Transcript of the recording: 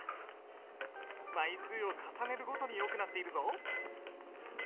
枚数を重ねるごとによくなっているぞ。